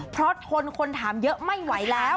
เพราะทนคนถามเยอะไม่ไหวแล้ว